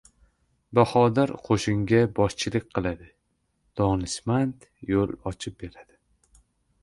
• Bahodir qo‘shinga boshchilik qiladi, donishmand yo‘l ochib beradi.